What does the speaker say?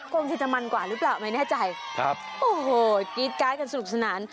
กองเจียจะมันกว่าหรือเปล่าไม่แน่ใจโอ้โฮคิดการกันสนุกสนาน